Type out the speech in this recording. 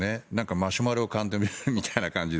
マシュマロをかんでいるみたいなね。